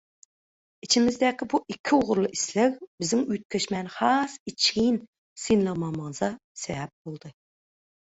Içimizdäki bu iki ugurly isleg biziň üýtgeşmäni has içgin synlamagymyza sebäp boldy.